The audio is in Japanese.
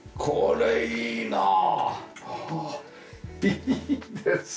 これいいな。